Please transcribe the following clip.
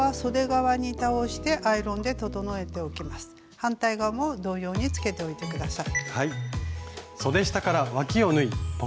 反対側も同様につけておいて下さい。